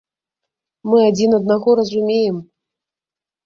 Мы адзін аднаго разумеем.